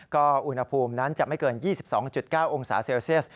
ก็อุณหภูมินั้นจะไม่เกิน๒๒๙องศาเซลเซียส